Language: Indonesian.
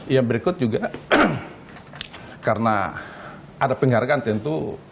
ya berikut juga karena ada penghargaan tentu